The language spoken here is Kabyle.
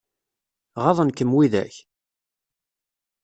Ɣaḍen-kem widak?